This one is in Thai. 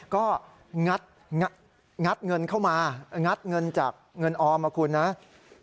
ก็งัดเงินเข้ามางัดเงินจากเงินออมนะคุณนะ